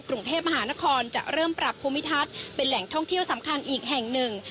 กรุงเทพมหานครจะเริ่มปรับภูมิทัศน์เป็นแหล่งท่องเที่ยวสำคัญอีกแห่งหนึ่ง